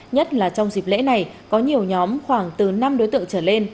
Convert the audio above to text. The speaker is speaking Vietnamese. nhất là trong dịp lễ này có nhiều nhóm khoảng từ năm đối tượng trở lên